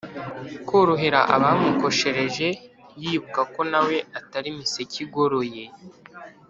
korohera abamukoshereje yibuka ko na we atari miseke igoroye